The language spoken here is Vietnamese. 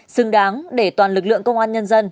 xứng đáng để toàn lực lượng công an nhân dân